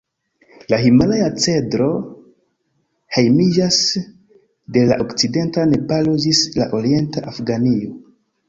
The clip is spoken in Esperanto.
La himalaja-cedro hejmiĝas de la okcidenta Nepalo ĝis la orienta Afganio.